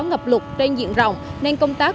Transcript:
ngập lục trên diện rộng nên công tác